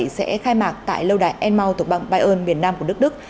sẽ khai mạc tại lâu đài enmao tổng bằng bayern miền nam của đức đức